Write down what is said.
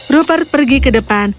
rupert pergi ke depan